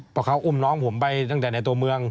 เพราะเขาอุ้มน้องผมไปตั้งแต่ในตัวเมือง